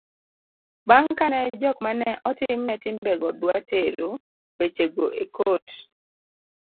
bang' kane jok mane otimne timbego dwa tero weche go e kot